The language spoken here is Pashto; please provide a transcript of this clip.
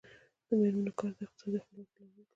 د میرمنو کار د اقتصادي خپلواکۍ لامل ګرځي.